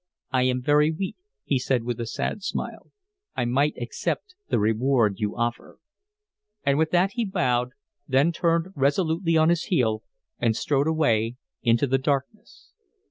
"I am very weak," he said, with a sad smile. "I might accept the reward you offer." And with that he bowed, then turned resolutely on his heel and strode away into the darkness.